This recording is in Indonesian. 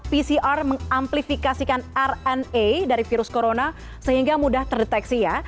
pcr mengamplifikasikan rna dari virus corona sehingga mudah terdeteksi ya